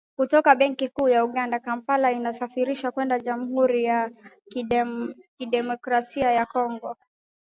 kutoka Benki Kuu ya Uganda, Kampala inasafirisha kwenda jamuhuri ya kidemokrasia ya Kongo